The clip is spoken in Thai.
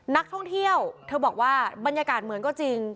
นักท่องเที่ยวเธอบอกว่าบรรยากาศเหมือนก็จริง